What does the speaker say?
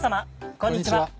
こんにちは。